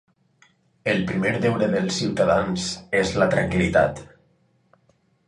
El primer deure dels ciutadans és la tranquil·litat.